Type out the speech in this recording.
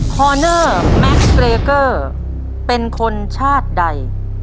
พอเนอร์แม็กซ์เรเกอร์เป็นคนชาติใด